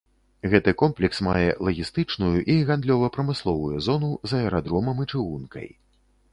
Гэты комплекс мае лагістычную і гандлёва-прамысловую зону з аэрадромам і чыгункай.